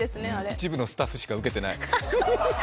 一部のスタッフしかウケてない。